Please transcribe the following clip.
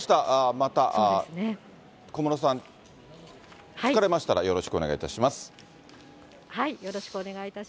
また小室さん、着かれましたら、はい、よろしくお願いいたし